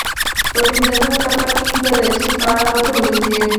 په پنځلسم څپرکي کې به د چین په اړه خبرې وشي